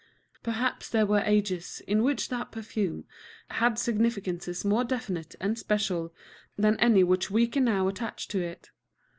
Perhaps there were ages in which that perfume had significances more definite and special than any which we can now attach to it.